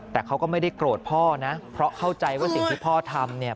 แต่เขาก็ไม่ได้โกรธพ่อนะเพราะเข้าใจว่าสิ่งที่พ่อทำเนี่ย